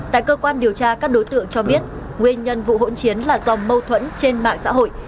tại cơ quan điều tra các đối tượng cho biết nguyên nhân vụ hỗn chiến là do mâu thuẫn trên mạng xã hội